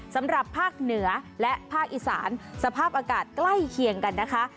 สำหรับภาคเหนือและภาคอีสานสภาพอากาศใกล้เคียงกันนะคะ